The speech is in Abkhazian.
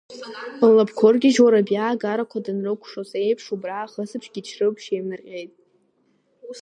Лнапқәа ыргьежьуа Рабиа, агарақәа данрыкәшозеиԥш убра, ахысыбжь Гечрыԥшь еимнарҟьеит…